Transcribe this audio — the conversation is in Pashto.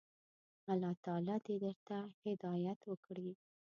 الله تعالی دي درته هدايت وکړي.